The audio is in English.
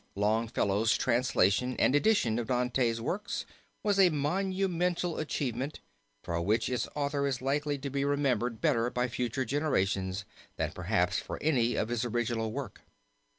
Longfellow's translation and edition of Dante's works was a monumental achievement, for which its author is likely to be remembered better by future generations than perhaps for any of his original work.